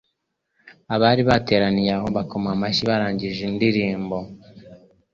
Abari bateraniye aho bakoma amashyi barangije indirimbo.